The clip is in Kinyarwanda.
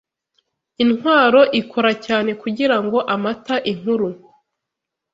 Intwaro ikora cyane kugira ngo amata inkuru